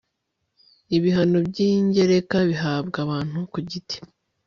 ibihano by ingereka bihabwa abantu ku giti